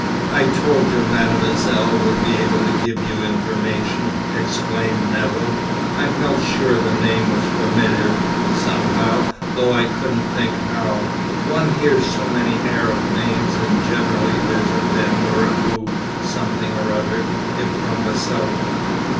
"I told you Mademoiselle would be able to give you information!" exclaimed Nevill. "I felt sure the name was familiar, somehow, though I couldn't think how. One hears so many Arab names, and generally there's a 'Ben' or a 'Bou' something or other, if from the South."